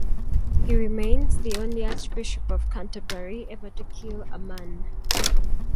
He remains the only Archbishop of Canterbury ever to kill a man.